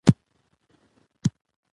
کندز سیند د افغان کلتور سره نږدې تړاو لري.